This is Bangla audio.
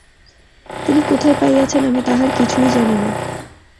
তিনি কোথায় পাইয়াছেন আমি তাহার কিছুই জানি না।